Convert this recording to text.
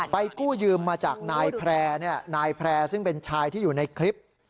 กู้ยืมมาจากนายแพร่นายแพร่ซึ่งเป็นชายที่อยู่ในคลิป